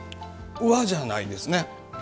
和じゃないですね。